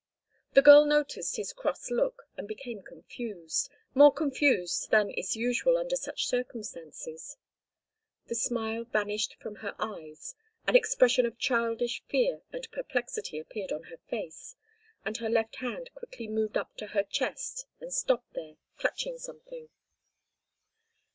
The girl noticed his cross look and became confused, more confused than is usual under such circumstances; the smile vanished from her eyes, an expression of childish fear and perplexity appeared on her face, and her left hand quickly moved up to her chest and stopped there, clutching something.